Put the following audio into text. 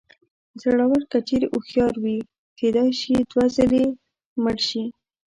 زړور که چېرې هوښیار وي کېدای شي دوه زره ځلې مړ شي.